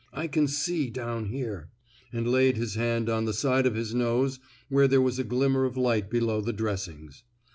I can see down here," and laid his hand on the side of his nose where there was a glimmer of light below the dressings.